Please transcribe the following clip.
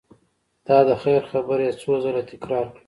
دا د خیر خبره یې څو ځل تکرار کړه.